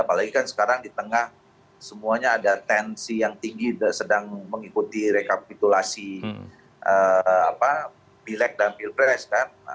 apalagi kan sekarang di tengah semuanya ada tensi yang tinggi sedang mengikuti rekapitulasi pilek dan pilpres kan